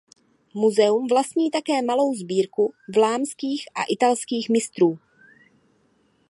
Muzeum vlastní také malou sbírku vlámských a italských mistrů.